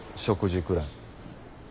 食事くらい。